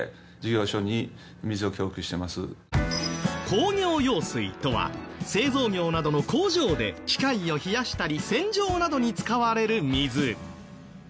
工業用水とは製造業などの工場で機械を冷やしたり洗浄などに使われる水。